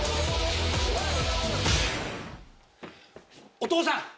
お義父さん！